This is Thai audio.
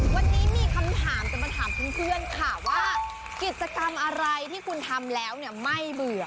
วันนี้มีคำถามจะมาถามเพื่อนค่ะว่ากิจกรรมอะไรที่คุณทำแล้วเนี่ยไม่เบื่อ